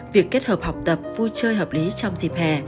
việc kết hợp học tập vui chơi hợp lý trong dịp hè